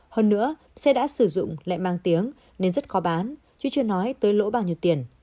hơn nữa xe đã sử dụng lại mang tiếng nên rất khó bán chứ chưa nói tới lỗ bao nhiêu tiền